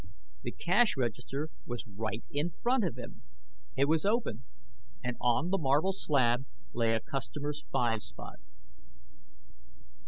The cash register was right in front of him! It was open, and on the marble slab lay a customer's five spot.